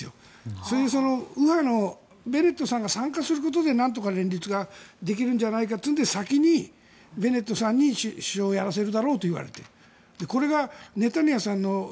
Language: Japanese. それで右派のベネットさんが参加することでなんとか連立ができるんじゃないかということで先にベネットさんに首相をやらせるだろうと言われている。